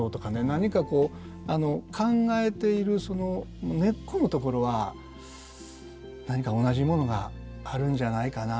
何かこう考えているその根っこのところは何か同じものがあるんじゃないかな。